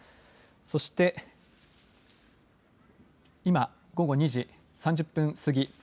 そして今、午後２時３０分過ぎ